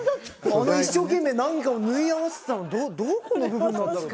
あの一生懸命何かを縫い合わせてたのどこの部分なんだろう？